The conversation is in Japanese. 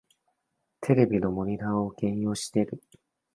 テレビとモニタを兼用してる